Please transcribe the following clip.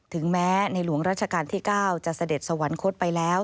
ถึงแม้ในหลวงราชการที่๙จะเสด็จสวรรคตไปแล้ว